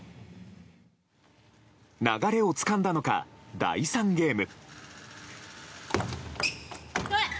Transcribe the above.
流れをつかんだのか第３ゲーム。